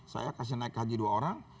saya kasih naik haji dua orang